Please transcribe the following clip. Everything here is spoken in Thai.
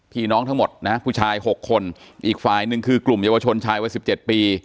พี่น้องทั้งหมดนะครับผู้ชาย๖คนอีกฝ่ายนึงคือกลุ่มเยาวชนชายว่า๑๗ปี